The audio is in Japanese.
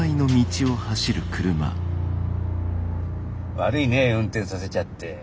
悪いね運転させちゃって。